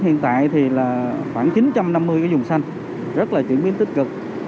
hiện tại thì là khoảng chín trăm năm mươi cái dùng xanh rất là chuyển biến tích cực